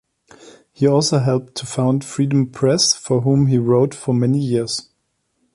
He also helped to found Freedom Press for whom he wrote for many years.